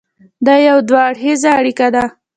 دا یو دوه اړخیزه اړیکه ده.